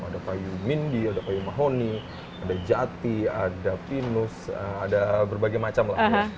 ada payu mindi ada payu mahoni ada jati ada pinus ada berbagai macam lah